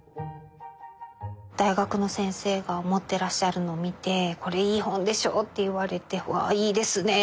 大学の先生が持ってらっしゃるのを見てこれいい本でしょう？って言われてわいいですね